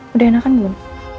udah enakan belum